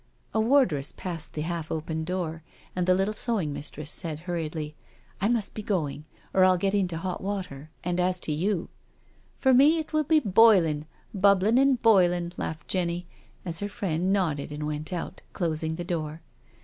••." A wardress passed the half open door, and the little sewing mistress said hurriedly: " I must be going, or I'll get into hot water— and as to you. .,."" For me it will be boiling— bubbling and boiling," laughed Jenny, as her friend nodded and went out, closing the door.